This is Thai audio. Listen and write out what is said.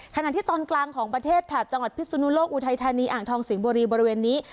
ขณะที่ตอนกลางของประเทศแถบจังหวัดพิศนุโลกอุทัยธานีอ่างทองสิงห์บุรีบริเวณนี้